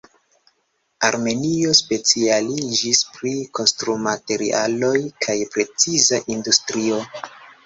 Armenio specialiĝis pri konstrumaterialoj kaj preciza industrio.